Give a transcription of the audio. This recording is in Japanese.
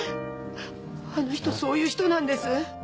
あの人そういう人なんです。